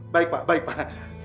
baik pak baik pak